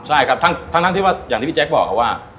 ใช่ครับทั้งที่ว่าอย่างที่พี่แจ๊คบอกครับว่า